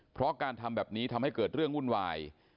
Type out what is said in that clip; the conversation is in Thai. เพราะการทำแบบนี้ทำให้เกิดเรื่องวุ่นวาย